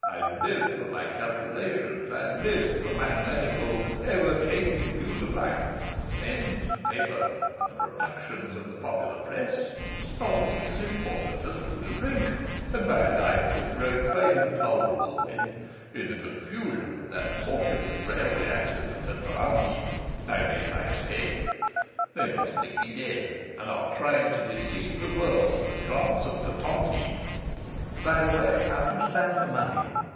I live for my calculations; I live for my manifold and ever changing views of life; pens and paper and the productions of the popular press are to me as important as food and drink; and my life was growing quite intolerable when, in the confusion of that fortunate railway accident at Browndean, I made my escape. They must think me dead, and are trying to deceive the world for the chance of the tontine.' 'By the way, how do you stand for money?